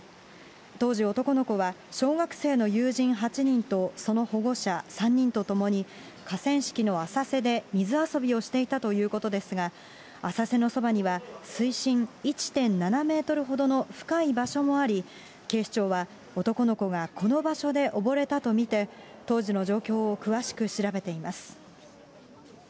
当時、男の子は小学生の友人８人とその保護者３人とともに、かせんしきの浅瀬で水遊びをしていたということですが、浅瀬のそばには水深１．７メートルほどの深い場所もあり、警視庁は男の子がこの場所で溺れたと見て、当時の状況を詳しく調べています。